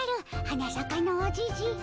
花さかのおじじ。